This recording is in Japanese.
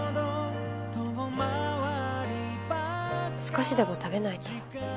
少しでも食べないと。